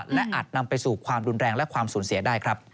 และอาจนำไปสู่ความรุนแรงและความสูญเสียได้ครับ